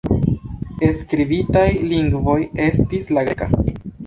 Skribitaj lingvoj estis la greka.